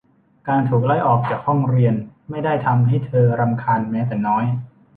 การถูกไล่ออกจากห้องเรียนไม่ได้ทำให้เธอรำคาญแม้แต่น้อย